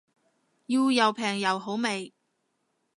要又平又好味